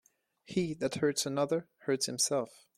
He that hurts another, hurts himself.